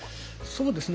そうですね